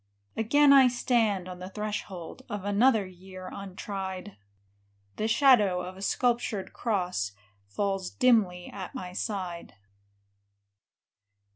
Again I stand on the threshold Of another year untried ; The shadow of a sculptured cross Falls dimly at my side.